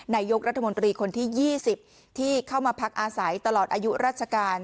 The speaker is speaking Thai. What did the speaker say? นายกรัฐมนตรีคนที่๒๐ที่เข้ามาพักอาศัยตลอดอายุราชการ